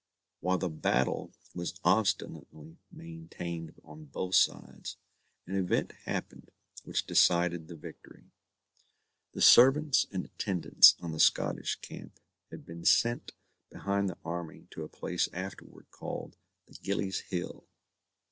While the battle was obstinately maintained on both sides, an event happened which decided the victory. The servants and attendants on the Scottish camp had been sent behind the army to a place afterward called the Gillies' hill.